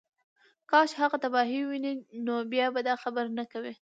کاش هغه تباهۍ ووینې نو بیا به دا خبرې نه کوې